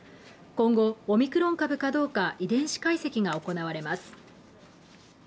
今後、オミクロン株かどうか、遺伝子解析が行われます。